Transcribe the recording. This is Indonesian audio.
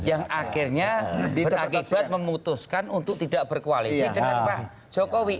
yang akhirnya berakibat memutuskan untuk tidak berkoalisi dengan pak jokowi